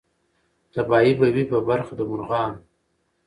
تباهي به وي په برخه د مرغانو